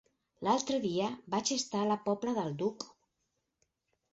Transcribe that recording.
L'altre dia vaig estar a la Pobla del Duc.